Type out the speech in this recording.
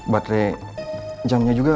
baterai jamnya juga